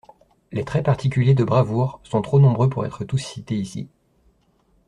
Les traits particuliers de bravoure sont trop nombreux pour être tous cités ici.